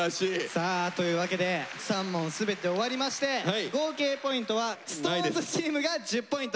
さあというわけで３問全て終わりまして合計ポイントはＳｉｘＴＯＮＥＳチームが１０ポイント。